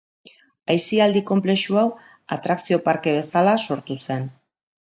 Aisialdi konplexu hau, atrakzio parke bezala sortu zen.